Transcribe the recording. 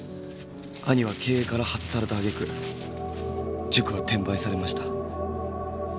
兄は経営から外された揚げ句塾は転売されました。